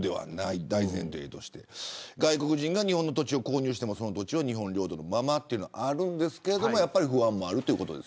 外国人が日本の土地を購入してもその土地を日本領土のままとあるんですけどやっぱり不安もあるということです。